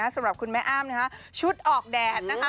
สำหรับคุณแม่อ้ามนะคะ